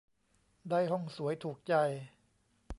ได้ห้องสวยถูกใจ